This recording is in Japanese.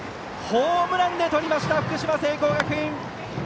ホームランで取りました福島・聖光学院。